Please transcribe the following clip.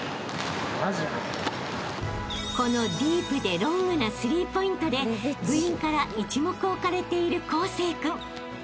［このディープでロングなスリーポイントで部員から一目置かれている康成君］